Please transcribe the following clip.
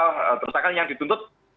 terus akan yang dituntut